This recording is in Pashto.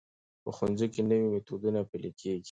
په ښوونځیو کې نوي میتودونه پلي کېږي.